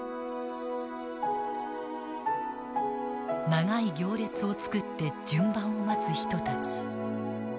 長い行列を作って順番を待つ人たち。